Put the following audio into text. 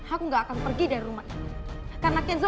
aku akan pergi bersama kinso